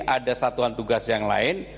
ada satuan tugas yang lain